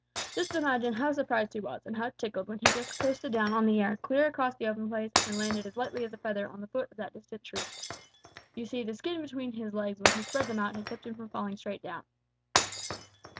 Just imagine how surprised he was and how tickled when he just coasted down on the air clear across the open place and landed as lightly as a feather on the foot of that distant tree! You see, the skin between his legs when he spread them out had kept him from falling straight down.